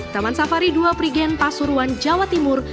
taman safari dua prigen pasuruan jawa timur